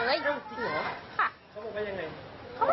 เขาบอกว่ายังไง